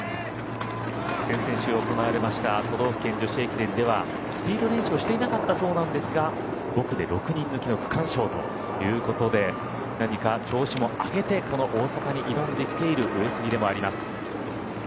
先々週行われました都道府県女子駅伝ではスピード練習をしていなかったそうなんですが５区で６人抜きの区間賞ということで何か調子も上げてこの大阪に挑んできている上杉でもあります。